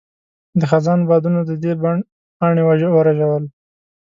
د خزان بادونو د دې بڼ پاڼې ورژول.